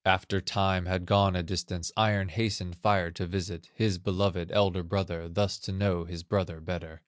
"After Time had gone a distance, Iron hastened Fire to visit, His beloved elder brother, Thus to know his brother better.